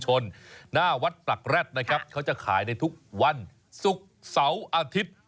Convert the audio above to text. หน้าวัดปรักแร็ดนะครับเขาจะขายในทุกวันศุกร์เสาร์อาทิตย์